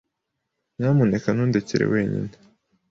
Nyamuneka nundekere wenyine.